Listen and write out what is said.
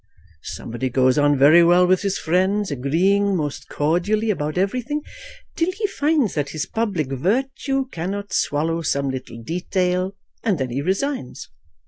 Somebody goes on very well with his friends, agreeing most cordially about everything, till he finds that his public virtue cannot swallow some little detail, and then he resigns.